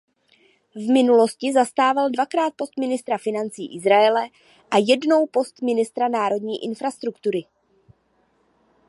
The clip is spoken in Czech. V minulosti zastával dvakrát post ministra financí Izraele a jednou post ministra národní infrastruktury.